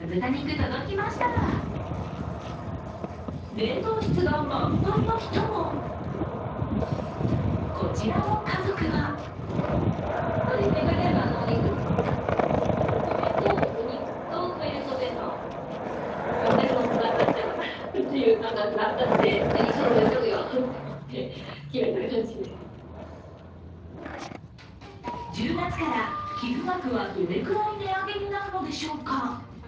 冷凍室が満杯の人もこちらの家族は１０月から寄付額はどれくらい値上げになるのでしょうか？